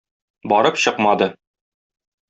Барып чыкмады.